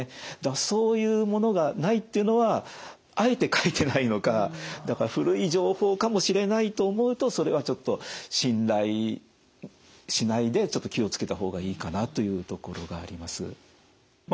そういうものがないっていうのはあえて書いてないのかだから古い情報かもしれないと思うとそれはちょっと信頼しないでちょっと気を付けた方がいいかなというところがあります。